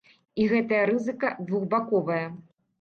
І гэтая рызыка двухбаковая.